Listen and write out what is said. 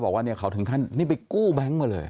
บอกว่าเนี่ยเขาถึงขั้นนี่ไปกู้แบงค์มาเลย